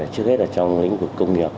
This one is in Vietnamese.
trước hết là trong lĩnh vực công nghiệp